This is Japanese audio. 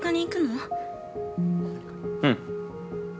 ◆うん。